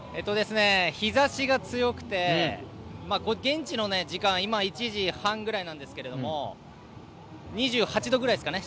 日ざしが強くて、現地の時間は今、１時半ぐらいなんですけど２８度ぐらいですかね